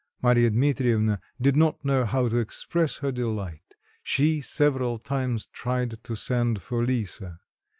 Marya Dmitrievna did not know how to express her delight; she several times tried to send for Lisa.